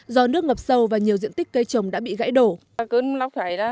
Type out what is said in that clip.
do nước ngập sâu và nhiều diện tích cây trồng đã bị gãy đổ